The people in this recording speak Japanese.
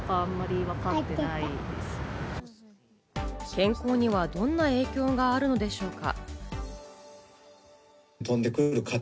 健康にはどんな影響があるのでしょうか？